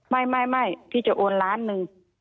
ไม่พี่จะโอนล้านหนึ่ง